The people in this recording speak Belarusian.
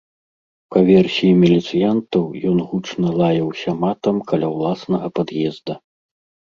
Па версіі міліцыянтаў, ён гучна лаяўся матам каля ўласнага пад'езда.